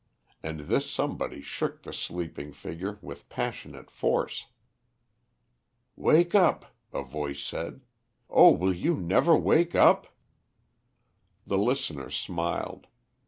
And this somebody shook the sleeping figure with passionate force. "Wake up!" a voice said. "Oh, will you never wake up?" The listener smiled.